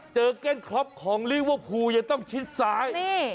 เก้นครอปของลิเวอร์พูลยังต้องชิดซ้าย